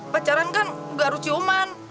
pacaran kan nggak harus ciuman